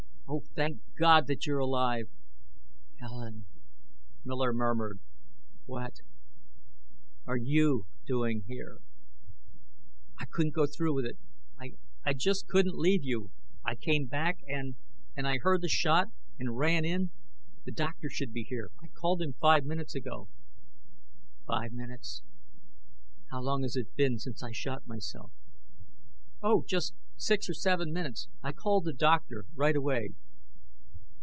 "Oh, thank God that you're alive !" "Helen!" Miller murmured. "What are you doing here?" "I couldn't go through with it. I I just couldn't leave you. I came back and and I heard the shot and ran in. The doctor should be here. I called him five minutes ago." "Five minutes ... How long has it been since I shot myself?" "Oh, just six or seven minutes. I called the doctor right away."